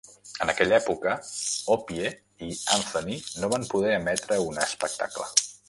En aquella època, OPIE i Anthony no van poder emetre un espectacle.